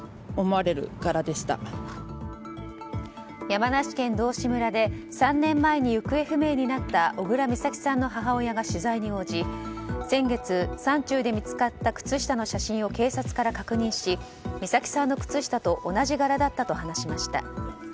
山梨県道志村で３年前に行方不明になった小倉美咲さんの母親が取材に応じ先月、山中で見つかった靴下の写真を警察から確認し美咲さんの靴下と同じがらだったと話しました。